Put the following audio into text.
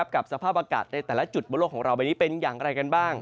สภาพอากาศในแต่ละจุดบนโลกของเราใบนี้เป็นอย่างไรกันบ้าง